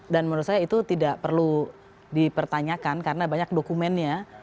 dan menurut saya itu tidak perlu dipertanyakan karena banyak dokumennya